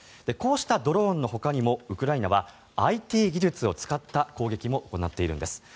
こうしたドローンのほかにもウクライナはＩＴ技術を使った攻撃も行っているんです。